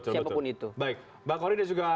siapapun itu baik mbak kori dan juga